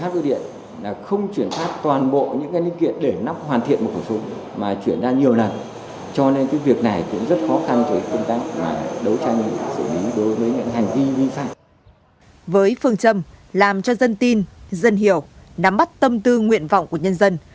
với phương châm làm cho dân tin dân hiểu nắm bắt tâm tư nguyện vọng của nhân dân